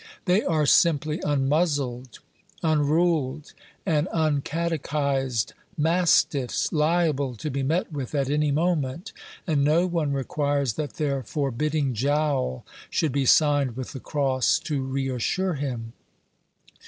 They OBERMANN 211 are simply unmuzzled, unruled and uncatechised mastiffs, liable to be met with at any moment, and no one requires that their forbidding jowl should be signed with the cross to reassure him.